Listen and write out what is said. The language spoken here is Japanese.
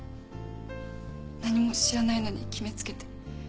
何も知らないのに決め付けて。